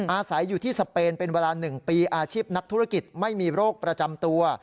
อาศัยอยู่ที่สเปนเป็นเวลา๑ปีอาชีพนักธุรกิจไม่มีโรคประจำตัว